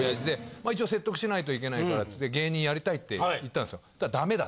まあ一応説得しないといけないからって芸人やりたいって言ったんですよ。